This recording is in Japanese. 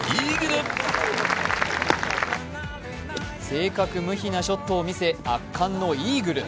正確無比なショットを見せ圧巻のイーグル。